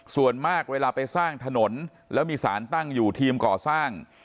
ส่วนมากเวลาไปสร้างถนนแล้วมีสารตั้งอยู่ทีมก่อสร้าง